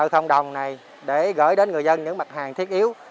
thông đồng này để gửi đến người dân những mặt hàng thiết yếu